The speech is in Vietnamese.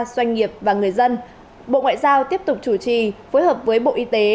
doanh nghiệp và người dân bộ ngoại giao tiếp tục chủ trì phối hợp với bộ y tế